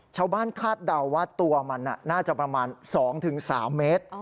คาดเดาว่าตัวมันน่าจะประมาณ๒๓เมตร